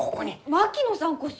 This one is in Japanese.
槙野さんこそ！